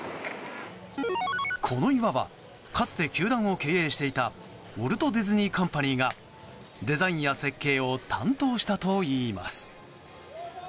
この岩はかつて球団を経営していたウォルト・ディズニー・カンパニーがデザインや設計を担当したといいます。